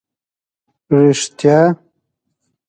رېښتیا؟!